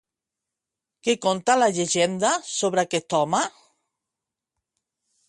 Què conta la llegenda sobre aquest home?